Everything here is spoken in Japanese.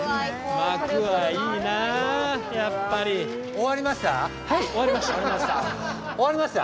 終わりました？